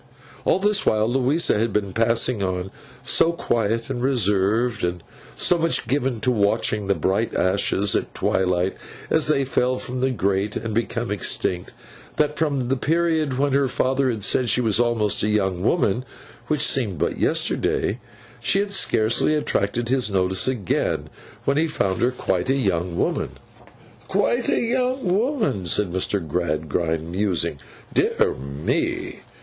All this while, Louisa had been passing on, so quiet and reserved, and so much given to watching the bright ashes at twilight as they fell into the grate, and became extinct, that from the period when her father had said she was almost a young woman—which seemed but yesterday—she had scarcely attracted his notice again, when he found her quite a young woman. 'Quite a young woman,' said Mr. Gradgrind, musing. 'Dear me!